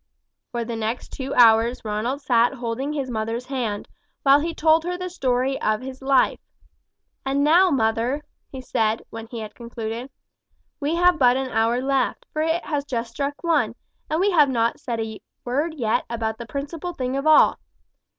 For the next two hours Ronald sat holding his mother's hand, while he told her the story of his life. "And now, mother," he said, when he had concluded, "we have but an hour left, for it has just struck one, and we have not said a word yet about the principal thing of all.